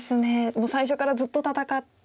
もう最初からずっと戦って。